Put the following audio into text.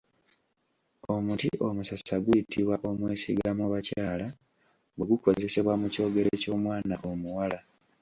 Omuti omusasa guyitibwa omwesigamwabakyala bwegukozesebwa mu kyogero ky’omwana omuwala.